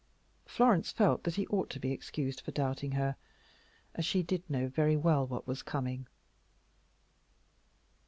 Florence felt that he ought to be excused for doubting her, as she did know very well what was coming.